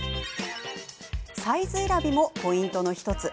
サイズ選びもポイントの１つ。